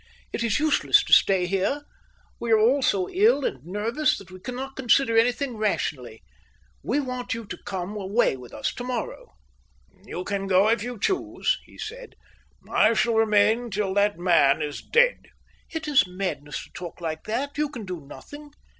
"It is useless to stay here. We are all so ill and nervous that we cannot consider anything rationally. We want you to come away with us tomorrow." "You can go if you choose," he said. "I shall remain till that man is dead." "It is madness to talk like that. You can do nothing.